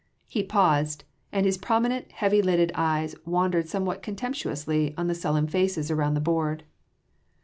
He paused, and his prominent, heavy lidded eyes wandered somewhat contemptuously on the sullen faces around the board.